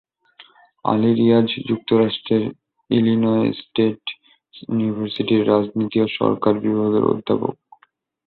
আলী রীয়াজ যুক্তরাষ্ট্রের Illinois State ইউনিভার্সিটির রাজনীতি ও সরকার বিভাগের অধ্যাপক।